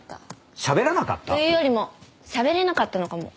しゃべらなかった？というよりもしゃべれなかったのかも。